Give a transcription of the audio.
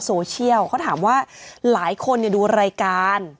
โซเชียลเขาถามว่าหลายคนดูรายการ